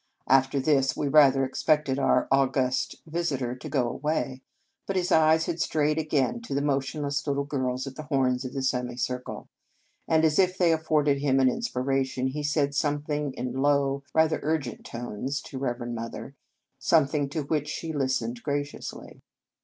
After this, we rather expected our august visitor to go away; but his eyes had strayed again to the motionless little girls at the horns of the semi circle; and, as if they afforded him an inspiration, he said something in low, rather urgent tones to Reverend Mother, something to which she listened graciously.